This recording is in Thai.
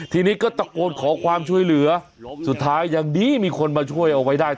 ทีนี้ก็ตะโกนขอความช่วยเหลือสุดท้ายยังดีมีคนมาช่วยเอาไว้ได้